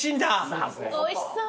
おいしそう。